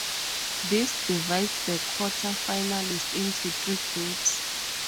This divides the quarter finalists into three groups.